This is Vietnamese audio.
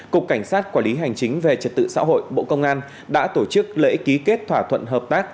cục cảnh sát quản lý hành chính về trật tự xã hội bộ công an đã tổ chức lễ ký kết thỏa thuận hợp tác